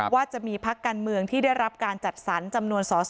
ว่าจะมีพักการเมืองที่ได้รับการจัดสรรจำนวนสอสอ